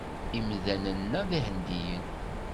Imdanen-a d Ihendiyen.